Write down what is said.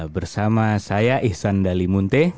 bersama saya ihsan dali munte